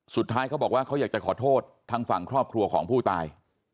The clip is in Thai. เขาบอกว่าเขาอยากจะขอโทษทางฝั่งครอบครัวของผู้ตาย